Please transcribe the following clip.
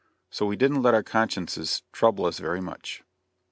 So we didn't let our consciences trouble us very much.